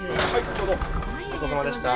ちょうどごちそうさまでした